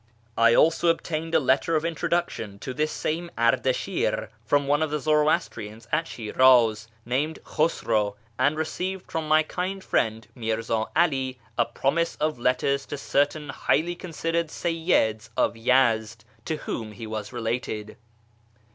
I also obtained a letter of introduction to this same Ardashir from one of the Zoroastrians at Shiniz, named Khusraw, and received from my kind friend Mirza 'Ali a promise of letters to certain highly considered Seyyids of Yezd to whom he was related.